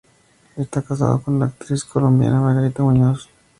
Esta casado con la actriz colombiana Margarita Muñoz.